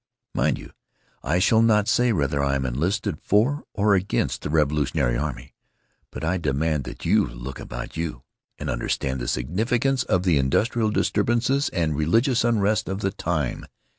"Mind you, I shall not say whether I am enlisted for or against the revolutionary army. But I demand that you look about you and understand the significance of the industrial disturbances and religious unrest of the time.